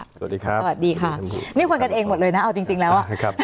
สวัสดีครับสวัสดีค่ะนี่คนกันเองหมดเลยนะเอาจริงแล้ว